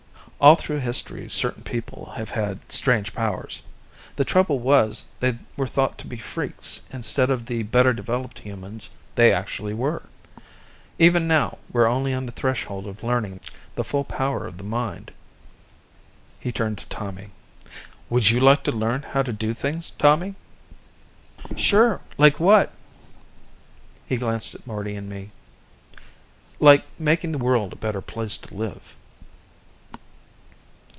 All through history certain people have had strange powers. The trouble was, they were thought to be freaks instead of the better developed humans they actually were. Even now, we're only on the threshold of learning the full power of the mind." He turned to Tommy. "Would you like to learn how to do things, Tommy?" "Sure. Like what?" He glanced at Marty and me. "Like making the world a better place to live."